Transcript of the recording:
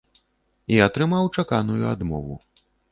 І атрымаў чаканую адмову.